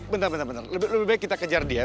bentar bentar bentar lebih baik kita kejar dia ya